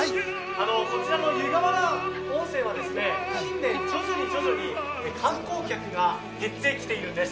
こちら湯河原温泉は近年、徐々に徐々に観光客が減ってきているんです。